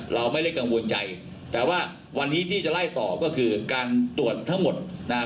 เราไม่ได้กังวลใจแต่ว่าวันนี้ที่จะไล่ต่อก็คือการตรวจทั้งหมดนะฮะ